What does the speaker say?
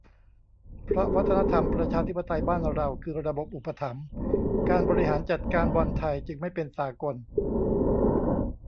เพราะวัฒนธรรมประชาธิปไตยบ้านเรา คือระบบอุปถัมภ์ การบริหารจัดการบอลไทยจึงไม่เป็นสากล